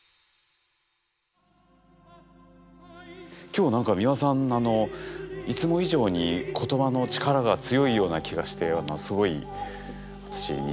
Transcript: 今日は何か美輪さんいつも以上に言葉の力が強いような気がしてすごい私に。